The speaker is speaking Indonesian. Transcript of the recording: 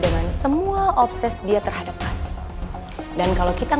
dengan sesehat nanti nanti aku mpada desya li planet